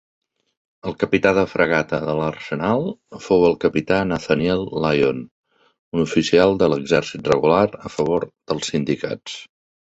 El capità de fragata de l'Arsenal fou el Capità Nathaniel Lyon, un oficial de l'exèrcit regular a favor dels sindicats.